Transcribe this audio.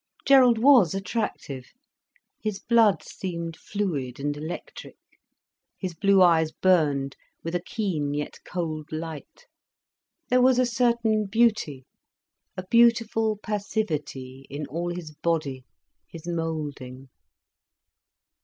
Gerald was attractive, his blood seemed fluid and electric. His blue eyes burned with a keen, yet cold light, there was a certain beauty, a beautiful passivity in all his body, his moulding.